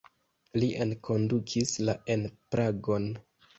Li enkondukis la en Pragon.